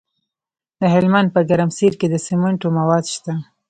د هلمند په ګرمسیر کې د سمنټو مواد شته.